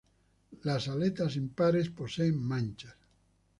Las aletas impares poseen manchas.